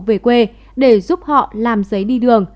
về quê để giúp họ làm giấy đi đường